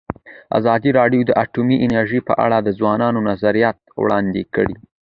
ازادي راډیو د اټومي انرژي په اړه د ځوانانو نظریات وړاندې کړي.